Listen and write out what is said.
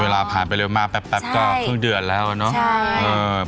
เวลาผ่านไปเร็วมากแป๊บก็ครึ่งเดือนแล้วเนาะ